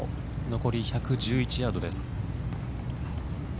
残り１１１ヤードです。